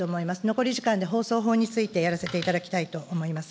残り時間で放送法についてやらせていただきたいと思います。